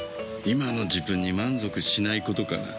今の自分に満足しないことかな。